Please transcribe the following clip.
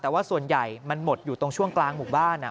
แต่ว่าส่วนใหญ่มันหมดอยู่ตรงช่วงกลางหมู่บ้าน